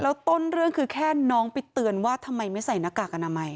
แล้วต้นเรื่องคือแค่น้องไปเตือนว่าทำไมไม่ใส่หน้ากากอนามัย